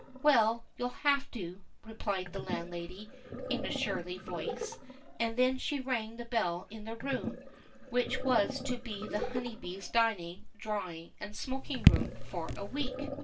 "Well, you'll have to," replied the landlady, in a surly voice, and then she rang the bell in the room, which was to be the Honeybee's dining, drawing, and smoking room for a week.